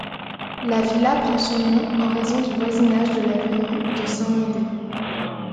La villa prend son nom en raison du voisinage de l'avenue de Saint-Mandé.